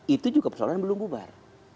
itu juga persoalan yang belum bubar